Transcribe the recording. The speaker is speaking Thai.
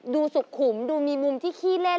สุขุมดูมีมุมที่ขี้เล่น